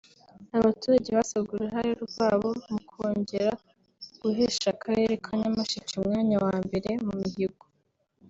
Abaturage basabwe uruhare rwabo mu kongera guhesha Akarere ka Nyamasheke umwanya wa mbere mu mihigo